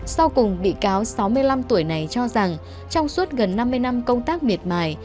sau cùng bị cáo sáu mươi năm tuổi này cho rằng trong suốt gần năm mươi năm công tác miệt mài